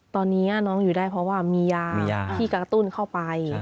ตอนนี้น้องอยู่ได้เพราะว่ามียาที่กระตุ้นเข้าไป